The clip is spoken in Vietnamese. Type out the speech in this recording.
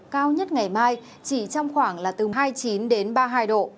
cao nhất ngày mai chỉ trong khoảng là từ hai mươi chín đến ba mươi hai độ